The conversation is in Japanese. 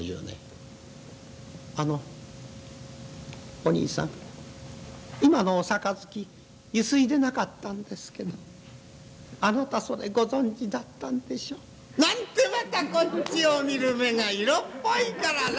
『あのおにいさん今のお杯ゆすいでなかったんですけどあなたそれご存じだったんでしょ』なんてまたこっちを見る目が色っぽいからな。